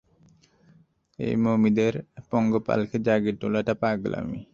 এই মমিদের পঙ্গপালকে জাগিয়ে তোলাটা পাগলামি!